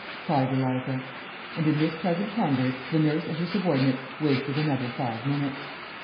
cried Eliza. And in this pleasant converse, the nurse and her subordinate wasted another five minutes.